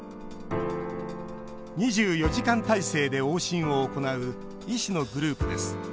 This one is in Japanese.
２４時間態勢で往診を行う医師のグループです。